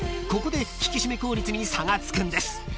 ［ここで引き締め効率に差がつくんです］